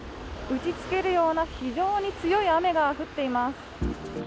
打ちつけるような非常に強い雨が降っています。